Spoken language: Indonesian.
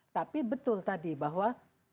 tapi betul tadi bahwa